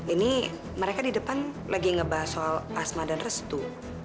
ini mereka di depan lagi ngebahas soal asma dan restu